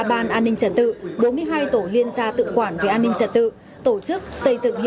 ba ban an ninh trần tự bốn mươi hai tổ liên gia tự quản về an ninh trần tự tổ chức xây dựng